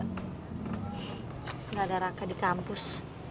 tidak ada raka di kampus